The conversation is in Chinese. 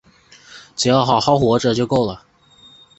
只要好好活着就够了